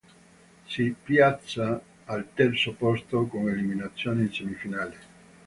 Si piazza al terzo posto con eliminazione in semifinale.